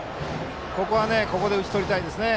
もうここで打ち取りたいですね。